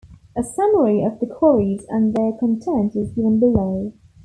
A summary of the quarries and their contents is given below.